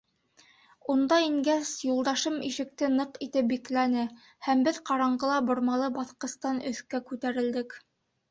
Унда ингәс, юлдашым ишекте ныҡ итеп бикләне, һәм беҙ ҡараңғыла бормалы баҫҡыстан өҫкә күтәрелдек.